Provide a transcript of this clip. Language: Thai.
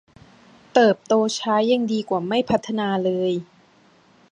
เติบโตช้ายังดีกว่าไม่พัฒนาเลย